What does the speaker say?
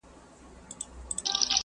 ښوونځی به اسانه شي.